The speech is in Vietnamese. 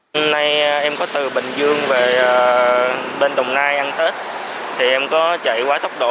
hôm nay em có từ bình dương về bên đồng nai ăn tết thì em có chạy quá tốc độ